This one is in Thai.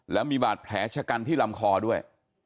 แล้วมีบาดแผลชะกันที่ลำคอด้วย